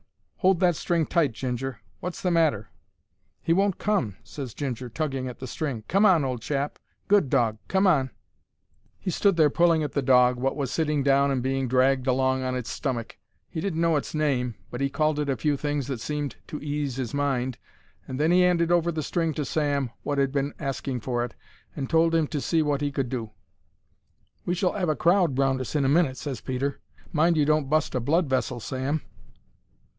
"Hold that string tight, Ginger. Wot's the matter?" "He won't come," ses Ginger, tugging at the string. "Come on, old chap! Good dog! Come on!" He stood there pulling at the dog, wot was sitting down and being dragged along on its stummick. He didn't know its name, but 'e called it a few things that seemed to ease 'is mind, and then he 'anded over the string to Sam, wot 'ad been asking for it, and told 'im to see wot he could do. "We shall 'ave a crowd round us in a minute," ses Peter. "Mind you don't bust a blood vessel, Sam."